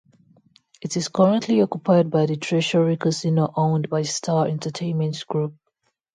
It is currently occupied by the Treasury Casino owned by Star Entertainment Group.